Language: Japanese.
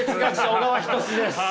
小川仁志です。